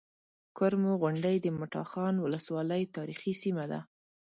کرمو غونډۍ د مټاخان ولسوالۍ تاريخي سيمه ده